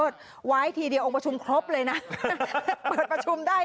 แต่ว้ายเดียวองค์ประชุมครอบเลยนะพี่